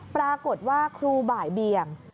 ปรากฏว่าครูบ่ายเบียง